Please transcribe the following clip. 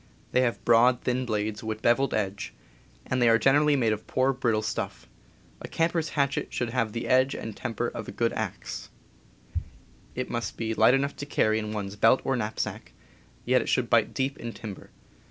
They have broad, thin blades with beveled edge, and they are generally made of poor, brittle stuff. A camper's hatchet should have the edge and temper of a good axe. It must be # 30 CAMPING AND WOODCRAFT light enough to carry in one's belt or knapsack, yet it should bite deep in timber.